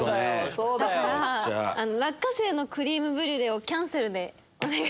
だから落花生のクリームブリュレキャンセルでお願いしたい。